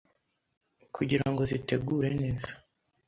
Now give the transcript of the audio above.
kugira ngo zitegure neza